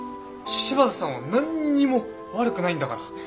柴田さんは何にも悪くないんだから。